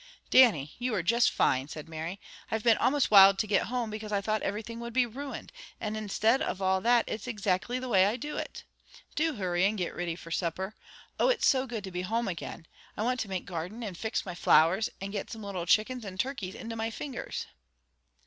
"Dannie, you are just fine!" said Mary. "I've been almost wild to get home, because I thought iverything would be ruined, and instid of that it's all ixactly the way I do it. Do hurry, and get riddy for supper. Oh, it's so good to be home again! I want to make garden, and fix my flowers, and get some little chickens and turkeys into my fingers."